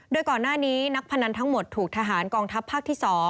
โดยก่อนหน้านี้นักพนันทั้งหมดถูกทหารกองทัพภาคที่๒